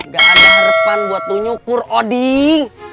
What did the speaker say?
gak ada harapan buat lu nyukur odin